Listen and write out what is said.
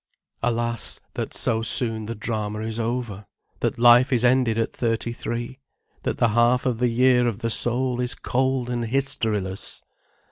Alas, that so soon the drama is over; that life is ended at thirty three; that the half of the year of the soul is cold and historiless!